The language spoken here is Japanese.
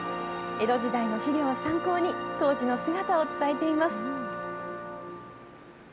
江戸時代の資料を参考に、当時の姿を伝えています。